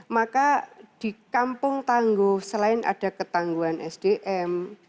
maka di kampung tangguh selain ada ketangguhan sdm